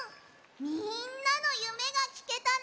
みんなのゆめがきけたね。